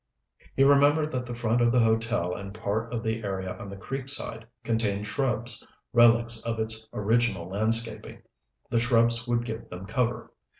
He remembered that the front of the hotel and part of the area on the creek side contained shrubs, relics of its original landscaping. The shrubs would give them cover.